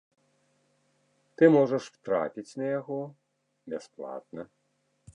Ты можаш трапіць на яго бясплатна.